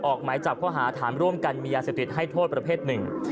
ออกหมายจับข้อหาฐานร่วมกันมียาเสพติดให้โทษประเภทหนึ่ง